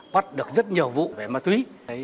bắt được rất nhiều vụ về ma túy